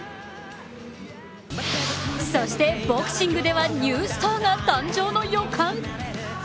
そしてボクシングではニュースターが誕生の予感。